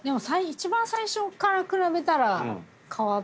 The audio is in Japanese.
一番最初から比べたら変わったと思います。